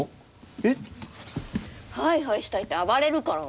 ハイハイしたいって暴れるから。